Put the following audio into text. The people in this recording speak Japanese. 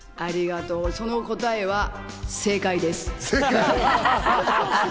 その答えは正解です。